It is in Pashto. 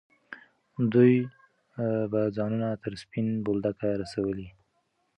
دوی به ځانونه تر سپین بولدکه رسولي.